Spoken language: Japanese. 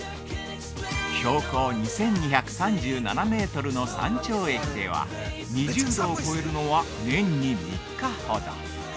◆標高２２３７メートルの山頂駅では２０度を超えるのは年に３日ほど。